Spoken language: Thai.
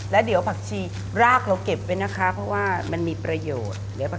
แล้วเดี๋ยวผักชีรากเราเก็บไว้นะคะเพราะว่ามันมีประโยชน์